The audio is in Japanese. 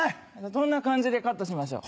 どんな感じでカットしましょう。